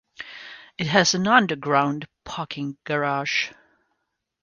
It has an underground parking garage.